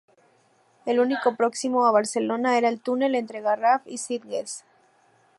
El único próximo a Barcelona era el túnel entre Garraf y Sitges.